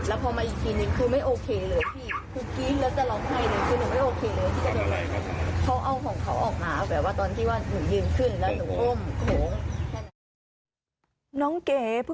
แล้วพอมาอีกทีหนึ่งคือไม่โอเคเลย